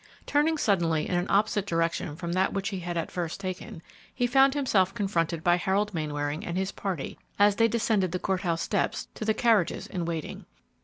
Turning suddenly in an opposite direction from that which he had at first taken, he found himself confronted by Harold Mainwaring and his party as they descended the court house steps to the carriages in waiting.